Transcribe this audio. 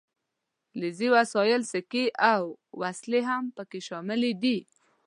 فلزي وسایل سیکې او وسلې هم پکې شاملې دي.